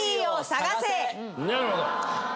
なるほど。